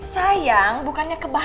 sayang bukannya ke bali